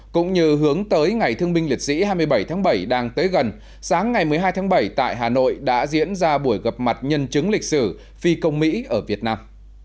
cũng như hướng tới ngày thương binh liệt sĩ hai mươi bảy tháng bảy đang tới gần sáng ngày một mươi hai tháng bảy tại hà nội đã diễn ra buổi gặp mặt nhân chứng lịch sử phi công mỹ ở việt nam